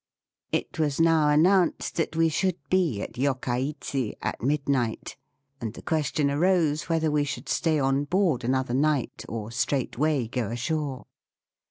It was now announced that we should be at Yokkaichi at midnight, and the question arose whether we should stay on board another night or straightway go ashore.